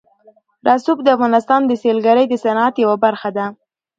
رسوب د افغانستان د سیلګرۍ د صنعت یوه برخه ده.